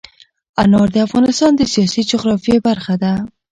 انار د افغانستان د سیاسي جغرافیه برخه ده.